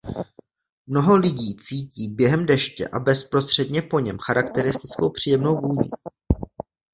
Mnoho lidí cítí během deště a bezprostředně po něm charakteristickou příjemnou vůni.